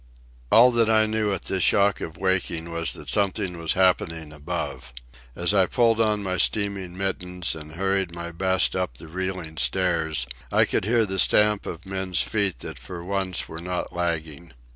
All that I knew at this shock of waking was that something was happening above. As I pulled on my steaming mittens and hurried my best up the reeling stairs, I could hear the stamp of men's feet that for once were not lagging.